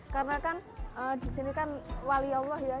karena kan di sini kan wali allah ya